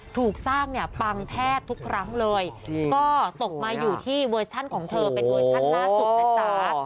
ถูกสร้างเนี่ยปังแทบทุกครั้งเลยก็ตกมาอยู่ที่เวอร์ชันของเธอเป็นเวอร์ชันล่าสุดนะจ๊ะ